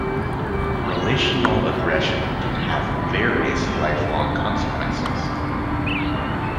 Relational aggression can have various lifelong consequences.